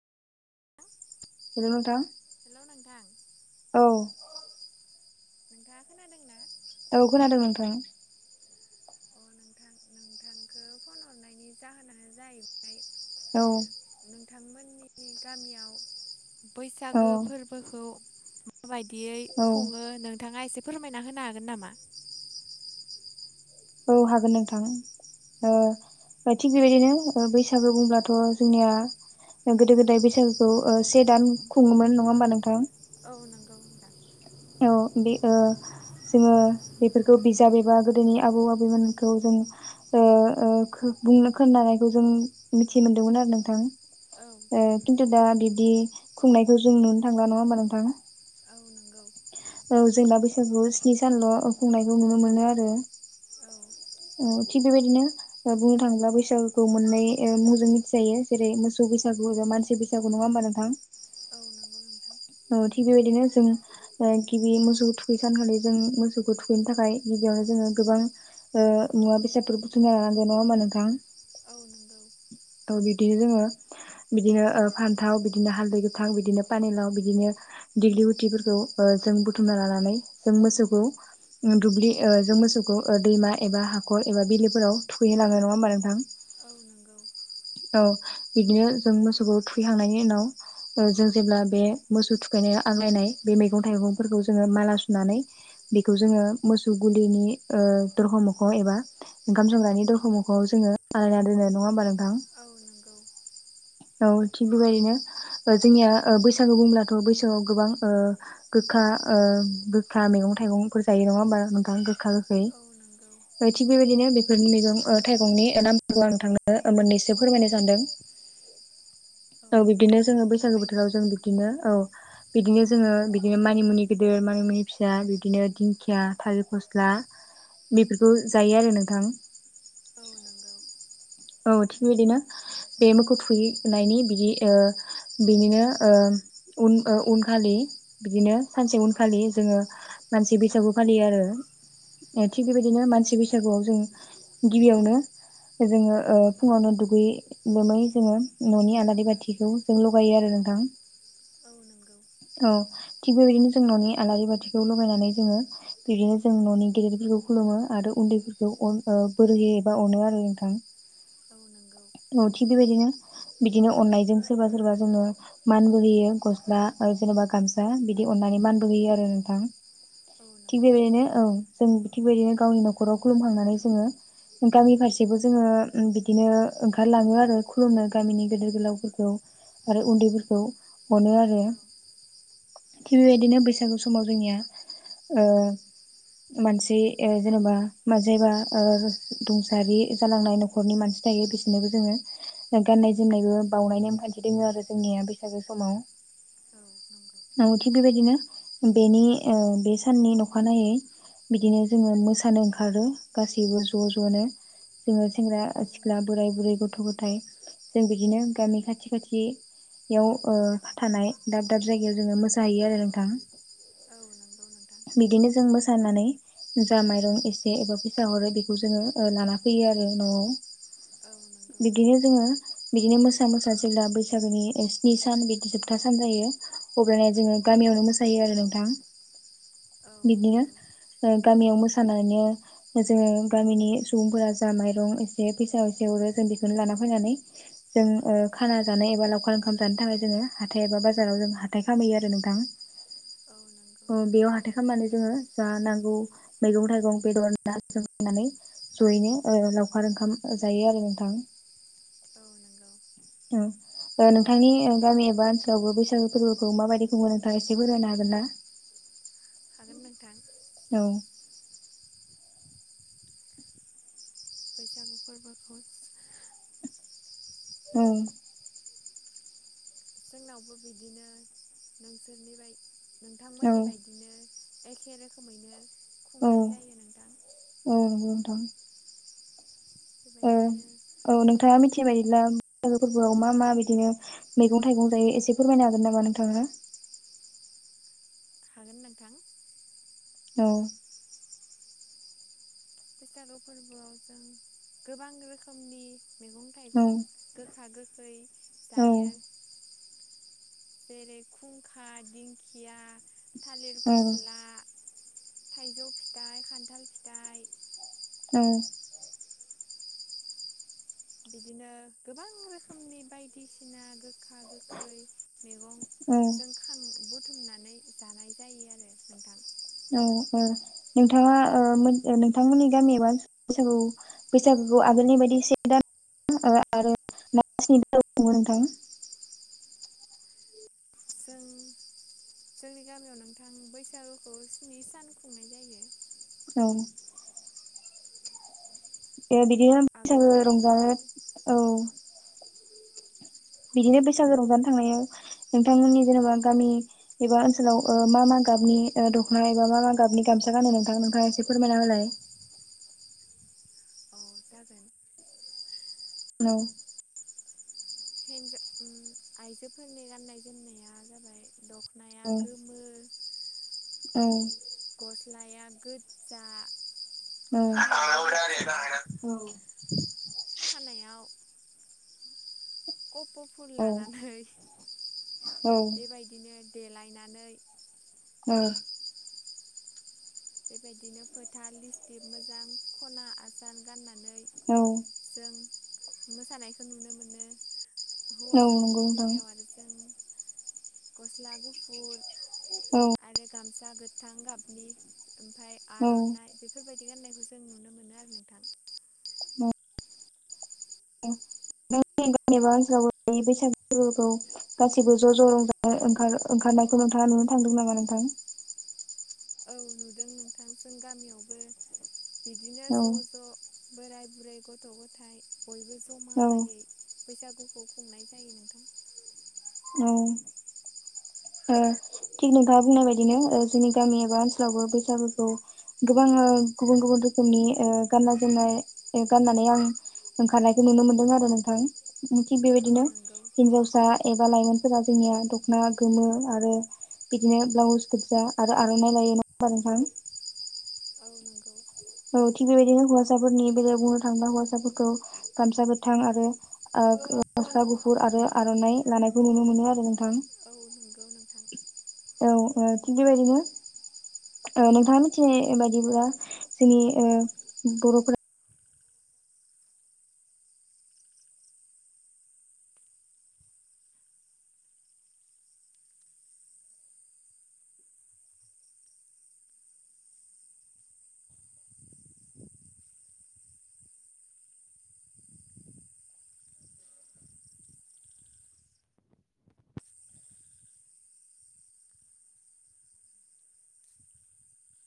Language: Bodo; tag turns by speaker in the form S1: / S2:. S1: हेलौ नोंथां
S2: हेलौ नोंथां
S1: औ
S2: नोंथाङा खोनादोंना?
S1: औ खोनादों नोंथाङा
S2: अ नोंथां नोंथांखौ फन हरनायनि जाहोनानो जाहैबाय
S1: औ
S2: जोंनि गामियाव
S1: औ
S2: बैसागो फोरबोखौ माबायदियै
S1: औ
S2: खुङो नोंथाङा एसे फोरमायना होनो हागोन नामा?
S1: औ हागोन नोंथां। ओ थिग बेबायदिनो बैसागु बुंब्लाथ' जोंनिया गोदो गोदाय बैसागुखौ ओ से दान खुङोमोन नङा होमबा नोंथां?
S2: औ नंगौ नोंथां।
S1: औ बे ओ जोङो बेफोरखौ बिजाब एबा गोदोनि आबौ आबैमोनखौ जों ओ ओ खो बुंनो खोनानायखौ जों मिथि मोनदोंमोन आरो नोंथां।
S2: औ
S1: ओ खिन्थु दा बिदि खुंनायखौ जों नुनो थांला नङा होमबा नोंथां?
S2: औ नंगौ
S1: औ जोंना बैसागुआव स्नि सानल' खुंनायखौ नुनो मोनो आरो
S2: औ
S1: अ थिग बेबायदिनो बुंनो थाङोब्ला बैसागोखौ मोननै ओ मुंजों मिथिजायो जेरै मोसौ बैसागु एबा मानसि बैसागु नङा होमबा नोंथां?
S2: औ नंगौ नोंथां।
S1: औ थिग बेबायदिनो जों गिबि मोसौखौ थुखै खानखालि जों मोसौखौ थुखैनो थाखाय गि बियावनो जोङो गोबां मुवा बेसादफोर बुथुमना लानांगोन नङा हा नोंथां?
S2: औ नंगौ
S1: औ बिदिनो जोङो बिदिनो फान्थाव बिदिनो हालदै गोथां बिदिनो पानेलाव बिदिनो दिग्लि गुथिफोरखौ ओ जों बुथुमना लानानै जों मोसौखौ दुब्लि ओ जों मोसौखौ ओ दैमा एबा हाखर एबा बिलोफोराव थुखैलाङो नङा होमबा नोंथां?
S2: औ नंगौ।
S1: औ बिदिनो जों मोसौखौ थुखैखांनायनि उनाव ओ जों जेब्ला बे मोसौ थुखैनाय नै आग्लायनाय बे मैगं थाइगंफोरखौ जोङो माला सुनानै बेखौ जोङो मोसौ गुलिनि ओ दरखं मोखांआव एबा ओंखाम संग्रानि दरखमखआव जोङो आलायना दोननाय नङा होमबा नोंथां?
S2: [unintelligible]
S1: औ थिग बेबायदिनो। जोंनिया ओ बैसागु बुब्लाथ' बैसागोआव गोबां ओ गोखा ओ गोखा मैगं गं थाइगंफोर जायो नङा होमबा नोंथां गोखा गोखै।
S2: औ नंगौ
S1: ओमफाय थिग बेबायदिनो बेफोरनि मैगं ओ थाइगंनि [unintelligible] नोंथांनो मोन्नैसो फोरमायनो सानदों। औ बिदिनो जोङो बैसागु
S2: फोरमाय
S1: बोथोराव
S2: नोंथां
S1: जों बिदिनो औ। बिदिनो जोङो बिदिनो मानिमुनि गिदिर मानिमुनि फिसा बिदिनो दिंखिया थालिर फस्ला बेफोरखौ जायो आरो नोंथां।
S2: [inaudible]
S1: औ थिग बिदिनो बे मोखौ थुखैनायनि बिदि ओ बिनिनो ओ उन ओ उनखालि बिदिनो सानसे उन फालि जोङो मानसि बैसागु फालियो
S2: औ
S1: आरो। अ
S2: औ
S1: थिग बेबायदिनो मानसि बैसागुआव जों गिबियावनो जोङो ओ फुङावनो दुगैै लोमै जोङो न'नि आलारि बाथिखौ जों लगायो आरो नोंथां। औ। थिग बेबायदिनो जों न'नि आलारि बाथिखौ लगायनानै जोङो बिदिनो जों न'नि गेदेरफोरखौ खुलुमो आरो उ उन्दैफोरखौ अन ओ बोरै होयो एबा अनो आरो नोंथां।
S2: औ नंगौ
S1: अ थिग बिबायदिनो बिदिनो अननायजों सोरबा सोरबा जोङो मानबो होयो गस्ला आरो जेनेबा गामसा बिदि अननानै मानबो होयो आरो नोंथां।
S2: औ
S1: थिग
S2: नंगौ
S1: बेबायदिनो औ। जों थिग बेबायदिनो गावनि न'खराव खुलुमखांनानै जोङो गामि फारसेबो जोङो ओ बिदिनो ओंखारलाङो आरो खुलुमनो, गामिनि गेदेर गोलावफोरखौ आरो उन्दैफोरखौ अनो आरो।
S2: औ
S1: थिग बेबायदिनो बैसागु समाव जोंनिया ओ मानसि ओ जेनेबा मा जायबा ओ रुंसारि जालांनाय न'खरनि मानसि थायो बि सोरनोबो जोङो गाननाय जोमनायबो बाउनाय नेमखान्थि दङ आरो जोंनिया बैसागो समाव। नंगौ थिग बेबायदिनो बेनि ओ बे साननि अखानायै बिदिनो जोङो मोसानो ओंखारो गासैबो ज' ज'नो जोङो सेंग्रा
S2: औ
S1: सिख्ला
S2: नंगौ
S1: बोराय बुरै, गथ' गथाय जों बिदिनो गामि खाथि खाथि बेयाव ओ थानाय दाब दाब जायगायाव जोङो मोसाहैयो आरो नोंथां।
S2: औ नंगौ नोंथां
S1: बिदिनो जों मोसानानै जा माइरं एसे एबा फैसा हरो बेखौ जोङो ओ लाना फैयो आरो न'आव।
S2: औ नंगौ
S1: बिदिनो जोङो बिदिनो मोसा मोसा जेब्ला बैसागोनि ओ स्नि सान बिदि जोबथा सान जायो अब्लानो जोङो गामियावनो मोसायो आरो नोंथां।
S2: [inaudible] नंगौ
S1: बिदिनो गामियाव मोसानानैनो जोङो गामिनि सुबुंफोरा जा माइरं एसे फैसा एसे हरो जों बेखौनो लाना फैनानै जों
S2: औ
S1: ओ खाना जानाय एबा लाव खार ओंखाम जानो थाखाय जोङो हाथाइ एबा बाजाराव जों हाथाय खालामहैयो आरो नोंथां।
S2: औ नंगौ
S1: ओ
S2: नोंथां
S1: बेयाव हाथाय खालामनानै जोङो जा नांगौ मैगं थाइगं बेदर ना जों लानानै जयैनो ओ लावखार ओंखाम जायो आरो नोंथां।
S2: औ नंगौ।
S1: औ। ओ नोंथांनि गामि एबा ओनसोलावबो बैसागो फोरबोखौ माबायदि खुङो नोंथाङा एसे फोरमायनो हागोन ना?
S2: हागोन नोंथां।
S1: औ।
S2: बैसागु फोरबोखौ
S1: औ।
S2: जोंनावबो बिदिनो नोंसोरनि बाय
S1: औ
S2: नोंथांमोननि बायदिनो एखे रोखोमैनो
S1: औ औ
S2: खुंनाय जायो नोंथां
S1: नंगौ नोंथां। ओ
S2: बेबायदिनो
S1: औ नोंथाङा मिथि बायब्ला बैसागो फोरबोआव मा मा बिदिनो मैगं थाइगं जायो एसे फोरमायनो हागोन नामा नोंथांआ?
S2: [inaudible] हागोन नोंथां।
S1: औ।
S2: बैसागु फोरबोआव जों गोबां रोखोमनि मैगं
S1: औ
S2: थाइगं गोखा गोखै
S1: औ
S2: जायो जेरै खुंखा, दिंखिया, थालिर
S1: औ
S2: फस्ला, थाइजौ फिथाइ, खान्थाल फिथाइ,
S1: ओ।
S2: बिदिनो गोबां रोखोमनि बायदिसिना गोखा गोखै मैगं
S1: औ
S2: जों खां बुथुमनानै जानाय जायो आरो नोंथां।
S1: औ ओ नोंथाङा ओ मोन नोंथांमोननि गामियावबा बैसागु बैसागु खौ आगोलनि बायदि से दान आरो ना स्नि सान खुङो नोंथां?
S2: जों जोंनि गामियाव नोंथां बैसागुखौ स्नि सान खुंनाय जायो।
S1: औ। ए बिदिनो बैसागो
S2: आगोलनि बायदि
S1: रंजानो औ बिदिनो बैसागो रंजानो थांनायाव नोंथांमोननि जेनेबा गामि एबा ओनसोलाव ओ मा मा गाबनि दख'ना एबा मा मा गाबनि गामसा गानो नोंथां नोथांआ एसे फोरमायना होलाय
S2: [inaudible] औ जागोन।
S1: [unintelligible] [unintelligible]
S2: हिन्जाव ओम आइजोफोरनि गाननाय जोमनाया जाबाय दख- नाया गोमो।
S1: औ।
S2: लाया गोजा। फालियाबो गोजा
S1: औ औ।
S2: खानायाव। कप' फुल लानानै।
S1: औ
S2: बेबायदिनो देलायनानै।
S1: औ।
S2: बेबायदिनो फोथा लिस्टि मोजां खना आसार गानना। नै
S1: औ
S2: जों मोसानायखौ नुनो मोनो।
S1: नंगौ
S2: हौवासाफोरनि
S1: नोंथां
S2: बेलायाव आरो जों गस्ला गुफुर।
S1: औ।
S2: आरो गामसा गोथां गाबनि ओमफ्राय
S1: औ
S2: आर'नाइ बेफोरबायदि। बे गान्नायखौ जों नुनो मोनो आरो नोंथां।
S1: [inaudible] जेनबा ओनसोलाव बैसागुफोरखौ गासिबो ज' ज' रजानो ओंखारनायखौ नोंथाङा। नुनो नों थांदों नामा नोंथां।
S2: [inaudible] औ नुदों नोंथांजों गामियावबो बिदिनो
S1: औ
S2: ज' ज' बोराय। बुरै गथ' गथाय बयबो
S1: औ
S2: जमायै बैसागु। खौ खुंनाय जायो नोंथां।
S1: औ। औ थिग नोंथाङा बुंनाय बायदिनो औ जोंनि गामि एबा ओनसोलावबो बैसागुफोरखौ गोबां। औ गुबुन गुबुन रोखोमनि गाननाय जोमनाय गाननानै आं। ओंखारनायखौ नुनो मोनदों आरो नोंथां। उन थिग
S2: औ
S1: बेबायदिनो
S2: नंगौ
S1: हिनजावसा एबा लाइमोनफोरा जोंनिया दख'ना। गोमो आरो बिदिनो ब्लाउस बुरजा आरो आर'नाइ लायो नङा होमबा नोंथां।
S2: औ नंगौ।
S1: औ थिग बेबायदिनो हौवासाफोरनि बेलायाव बुंनो थाङोबा हौवासाफोरखौ गामसा गोथां आ। आरो गसला गुफुर आरो आर'नाइ लानायखौ नुनो मोनो आरो। नोंथां
S2: औ नंगौ नोंथां।
S1: औ ओ थन्दिबायनो। औ नोंथाङा मिथिनाय बायदिब्ला जोंनि ओ बर'फोरा।